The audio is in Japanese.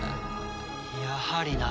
やはりな。